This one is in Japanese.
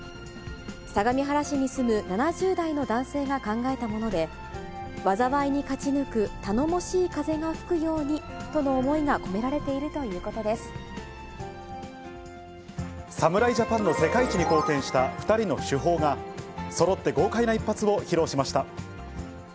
相模原市に住む７０代の男性が考えたもので、災いに勝ち抜く頼もしい風が吹くようにとの思いが込められている侍ジャパンの世界一に貢献した２人の主砲が、そろって豪快な一発を披露しました。